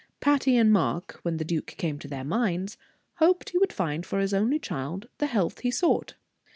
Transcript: Patty and Mark, when the duke came to their minds, hoped he would find for his only child the health he sought.